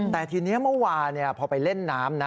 แต่ทีนี้เมื่อวานพอไปเล่นน้ำนะ